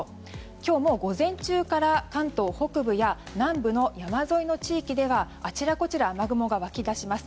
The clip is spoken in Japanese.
今日も午前中から関東北部や南部の山沿いの地域ではあちらこちら雨雲が湧きだします。